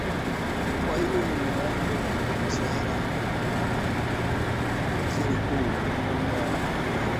Kwa hiyo ni muombe waziri huu ni muda wa kukaa na wasanii kuunganisha nguvu